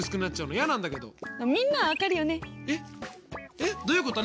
えっどういうことねえ。